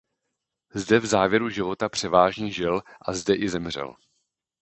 Zde v závěru života převážně žil a zde i zemřel.